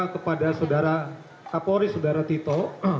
kepada saudara kapolri saudara tito